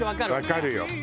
わかるよ。